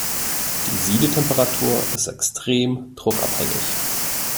Die Siedetemperatur ist extrem druckabhängig.